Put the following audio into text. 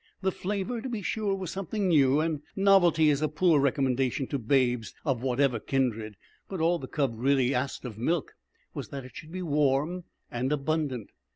The flavor, to be sure, was something new, and novelty is a poor recommendation to babes of whatever kindred; but all the cub really asked of milk was that it should be warm and abundant.